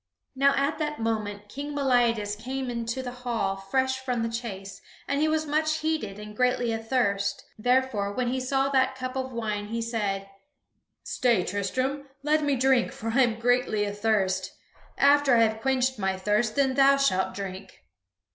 Now at that moment King Meliadus came into the hall fresh from the chase, and he was much heated and greatly athirst, wherefore, when he saw that cup of wine he said: "Stay, Tristram, let me drink, for I am greatly athirst. After I have quenched my thirst, then thou shalt drink."